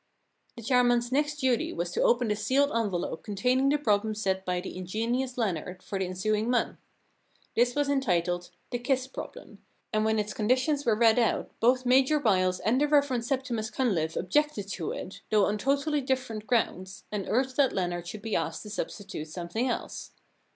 The chairman's next duty was to open the sealed envelope containing the problem set by the ingenious Leonard for the ensuing month. This was entitled * The Kiss Prob lem,' and when its conditions were read out both Major Byles and the Rev. Septimus CunlifFe objected to it, though on totally different grounds, and urged that Leonard should be asked to substitute something else.